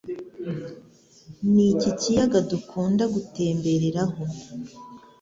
Ni iki Kiyaga dukunda gutembereraho